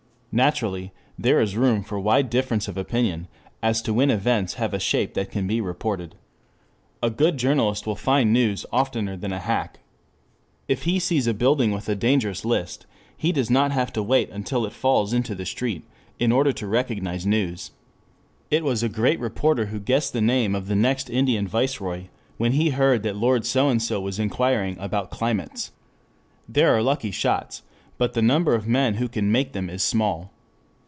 2 Naturally there is room for wide difference of opinion as to when events have a shape that can be reported. A good journalist will find news oftener than a hack. If he sees a building with a dangerous list, he does not have to wait until it falls into the street in order to recognize news. It was a great reporter who guessed the name of the next Indian Viceroy when he heard that Lord So and So was inquiring about climates. There are lucky shots but the number of men who can make them is small.